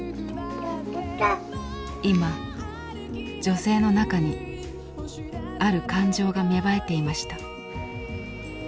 今女性の中にある感情が芽生えていました。